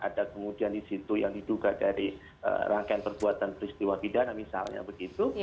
ada kemudian di situ yang diduga dari rangkaian perbuatan peristiwa pidana misalnya begitu